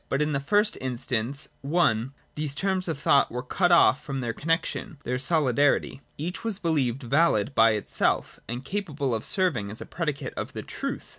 But in the first in stance (i) these terms of thought were cut off from their connexion, their solidarity; each was believed valid by itself and capable of serving as a predicate of the truth.